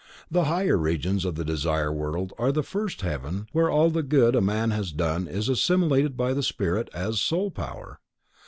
The higher regions of the Desire World are the first Heaven where all the good a man has done is assimilated by the spirit as soul power.